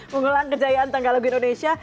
pengulangan kejayaan tanggal lagu indonesia